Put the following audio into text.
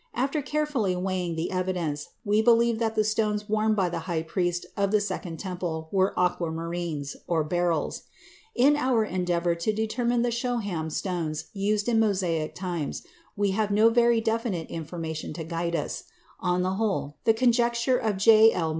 After carefully weighing the evidence, we believe that the stones worn by the high priest of the Second Temple were aquamarines (beryls). In our endeavor to determine the shoham stones used in Mosaic times, we have no very definite information to guide us; on the whole, the conjecture of J. L.